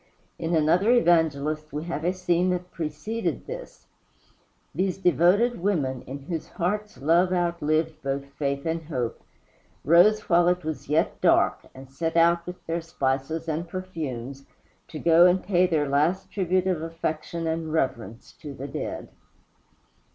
In another Evangelist we have a scene that preceded this. These devoted women, in whose hearts love outlived both faith and hope, rose while it was yet dark, and set out with their spices and perfumes to go and pay their last tribute of affection and reverence to the dead.